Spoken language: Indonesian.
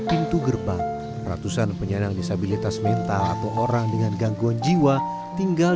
pintu gerbang ratusan penyandang disabilitas mental atau orang dengan gangguan jiwa tinggal